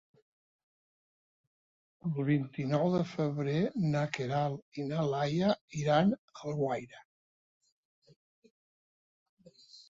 El vint-i-nou de febrer na Queralt i na Laia iran a Alguaire.